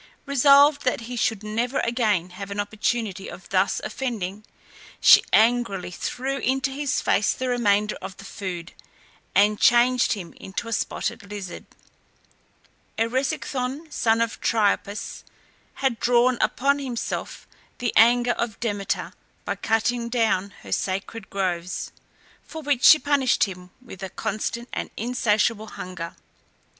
Resolved that he should never again have an opportunity of thus offending, she angrily threw into his face the remainder of the food, and changed him into a spotted lizard. Eresicthon, son of Triopas, had drawn upon himself the anger of Demeter by cutting down her sacred groves, for which she punished him with a constant and insatiable hunger.